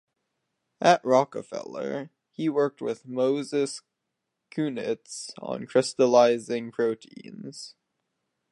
At Rockefeller, he worked with Moses Kunitz on crystallising proteins.